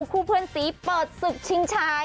เพื่อนสีเปิดศึกชิงชาย